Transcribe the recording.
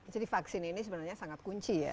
jadi vaksin ini sebenarnya sangat kunci ya